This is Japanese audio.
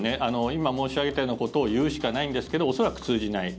今、申し上げたようなことを言うしかないんですけど恐らく通じない。